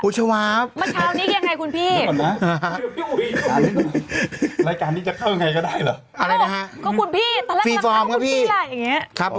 สวัสดีครับ